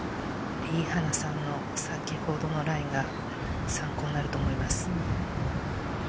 リ・ハナさんの先ほどのラインが参考になると思います。